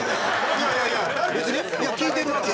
いやいやいや別にいや聞いてるって。